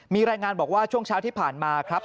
มีรายงานบอกว่าช่วงเช้าที่ผ่านมาครับ